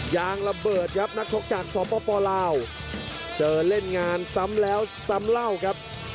ยางระเบิดครับนักชกจากสปลาวเจอเล่นงานซ้ำแล้วซ้ำเล่าครับ